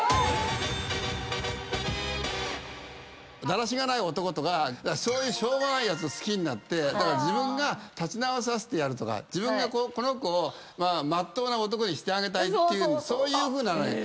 だらしがない男とかしょうもないやつを好きになって自分が立ち直らせてやるとか自分がこの子をまっとうな男にしてあげたいってそういうふうなのが強い。